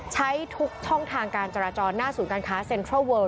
ใช้ทุกช่องทางการจราจรหน้าศูนย์การค้าเซ็นทรัลเวิล